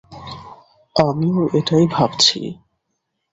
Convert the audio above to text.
আমিও এটাই ভাবছি।